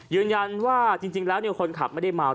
ยืนยันว่าจริงแล้วคนขับไม่ได้เมา